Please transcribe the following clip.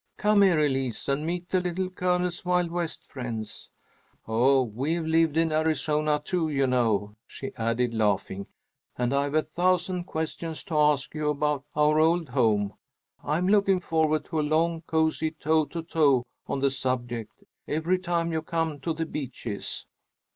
Come here, Elise, and meet the Little Colonel's Wild West friends. Oh, we've lived in Arizona too, you know," she added, laughing, "and I've a thousand questions to ask you about our old home. I'm looking forward to a long, cozy toe to toe on the subject, every time you come to The Beeches."